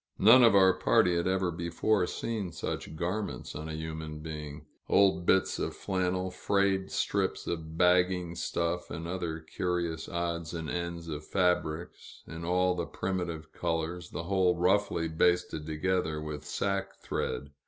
None of our party had ever before seen such garments on a human being old bits of flannel, frayed strips of bagging stuff, and other curious odds and ends of fabrics, in all the primitive colors, the whole roughly basted together with sack thread.